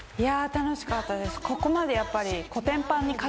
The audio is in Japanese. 楽しかったです。